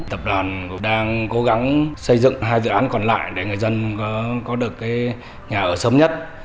tập đoàn cũng đang cố gắng xây dựng hai dự án còn lại để người dân có được nhà ở sớm nhất